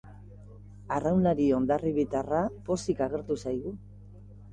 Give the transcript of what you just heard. Arraunlari hondarribitarra pozik agertu zaigu.